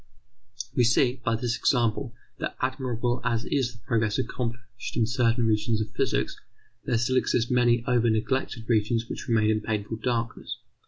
We see, by this example, that admirable as is the progress accomplished in certain regions of physics, there still exist many over neglected regions which remain in painful darkness.